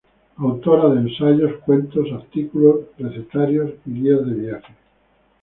Autora de ensayos, cuentos, artículos, recetarios y guías de viaje.